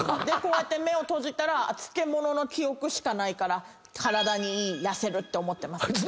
でこうやって目を閉じたら漬物の記憶しかないから体にいい痩せるって思ってます。